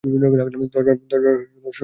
দশবার শতাধিক রানের জুটি গড়েন।